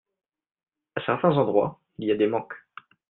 À certains endroits il y a des manques.